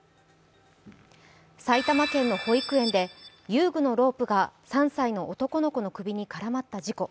埼玉県の保育園で遊具のロープが３歳の男の子の首に絡まった事故。